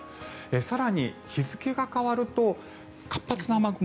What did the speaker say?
更に日付が変わると活発な雨雲